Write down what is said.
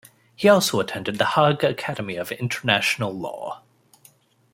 He also attended the Hague Academy of International Law.